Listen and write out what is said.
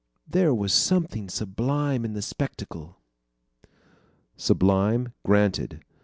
There was something sublime in the spectacle." Sublime? Granted.